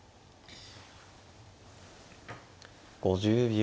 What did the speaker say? ５０秒。